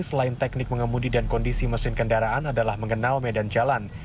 selain teknik mengemudi dan kondisi mesin kendaraan adalah mengenal medan jalan